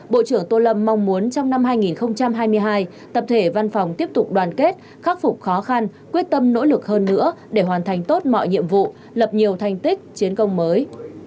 bộ trưởng tô lâm mong muốn trong năm hai nghìn hai mươi hai tập thể văn phòng tiếp tục đoàn kết khắc phục khó khăn quyết tâm nỗ lực hơn nữa để hoàn thành tốt mọi nhiệm vụ lập nhiều thành tích chiến công mới